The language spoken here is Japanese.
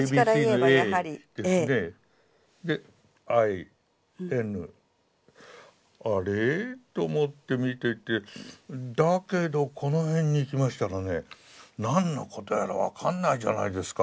で「Ｉ」「Ｎ」あれ？と思って見ていてだけどこの辺に行きましたらね何のことやら分かんないじゃないですか。